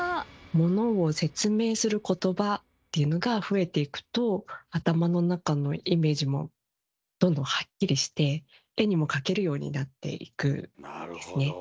ものを説明することばっていうのが増えていくと頭の中のイメージもどんどんハッキリして絵にも描けるようになっていくんですね。